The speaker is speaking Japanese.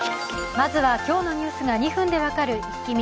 まずは今日のニュースが２分で分かるイッキ見。